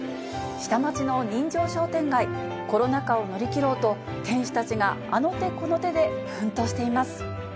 下町の人情商店街、コロナ禍を乗り切ろうと、店主たちがあの手この手で奮闘しています。